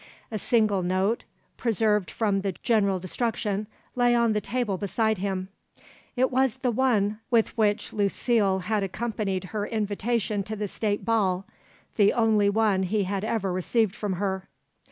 A single note, preserved from the general destruction, lay on the table beside him. It was the one with which Lucile had accompanied her invitation to the State Ball, the only one he had ever received from her.